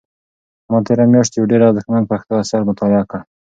ما تېره میاشت یو ډېر ارزښتمن پښتو اثر مطالعه کړ.